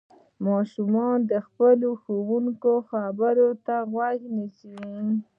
ماشومان د خپلو ښوونکو خبرو ته غوږ نيسي.